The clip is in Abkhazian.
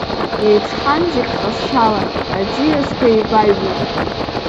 Еиԥшхан зегь ҟазшьала, аӡиасқәа еиваҩуеит.